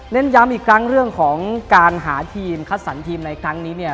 ย้ำอีกครั้งเรื่องของการหาทีมคัดสรรทีมในครั้งนี้เนี่ย